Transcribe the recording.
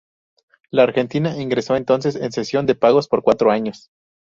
La Argentina ingresó entonces en cesación de pagos por cuatro años.